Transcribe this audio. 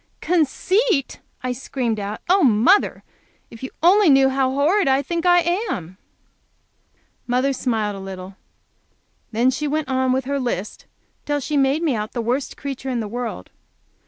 "Conceit!" I screamed out. "Oh, mother, if you only knew how horrid I think I am!" Mother smiled a little. Then she went on with her list till she made me out the worst creature in the world.